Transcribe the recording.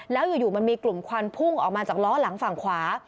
แล้วอยู่มันมีกลุ่มควันพุ่งออกมาจากล้อหลังฝั่งขวา